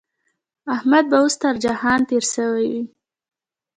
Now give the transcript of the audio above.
احمد به اوس تر جهان تېری شوی وي.